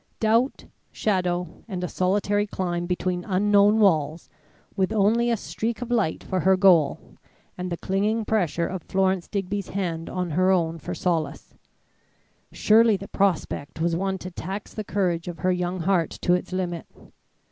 Doubt, shadow, and a solitary climb between unknown walls, with only a streak of light for her goal, and the clinging pressure of Florence Digby's hand on her own for solace surely the prospect was one to tax the courage of her young heart to its limit.